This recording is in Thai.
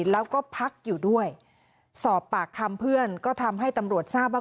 แล้วก็พักอยู่ด้วยสอบปากคำเพื่อนก็ทำให้ตำรวจทราบว่า